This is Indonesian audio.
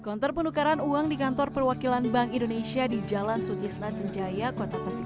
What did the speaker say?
konter penukaran uang di kantor perwakilan bank indonesia di jalan sutisna senjaya kota tasik